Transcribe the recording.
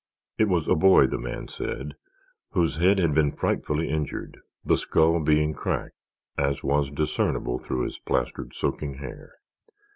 It was a boy, the man said, whose head had been frightfully injured, the skull being cracked, as was discernible through his plastered, soaking hair.